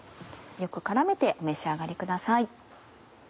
よく絡めてお召し上がりください。